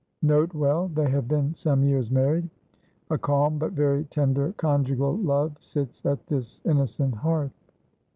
N. B. They have been some years married. A calm but very tender conjugal love sits at this innocent hearth.